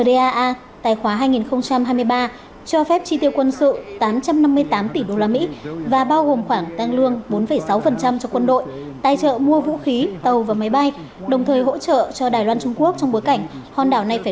động thái này mở đường cho việc thông qua ngân sách quốc phòng kỷ lục tám trăm năm mươi tám tỷ usd so với đề xuất của tổng thống mỹ joe biden